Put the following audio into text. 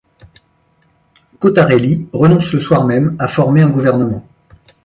Cottarelli renonce le soir même à former un gouvernement.